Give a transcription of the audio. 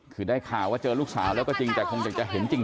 คือได้ข่าวว่าเจอลูกสาวแล้วก็จริงแต่คงอยากจะเห็นจริง